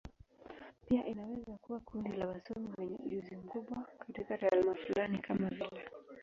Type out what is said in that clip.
Pia inaweza kuwa kundi la wasomi wenye ujuzi mkubwa katika taaluma fulani, kama vile.